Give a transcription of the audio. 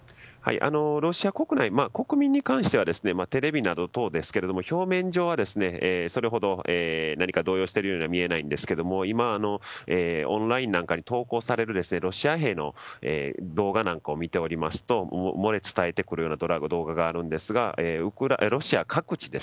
ロシア国内、国民に関してはテレビなどでは表面上はそれほど何か動揺しているようには見えないんですけど今、オンラインなんかに投稿されるロシア兵の動画漏れ伝えてくるような動画があるんですがロシア各地、